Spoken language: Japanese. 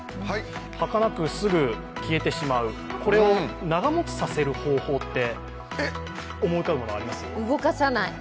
はかなくすぐ消えてしまう、これを長持ちさせる方法って思い浮かぶもの、あります？